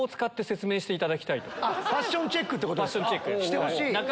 ファッションチェックってことですかあっしてほしい！